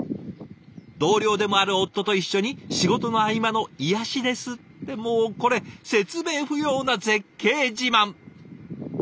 「同僚でもある夫と一緒に仕事の合間の癒しです」ってもうこれ説明不要な絶景自慢！